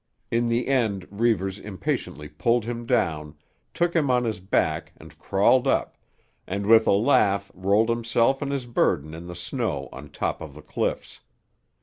In the end Reivers impatiently pulled him down, took him on his back and crawled up, and with a laugh rolled himself and his burden in the snow on top of the cliffs.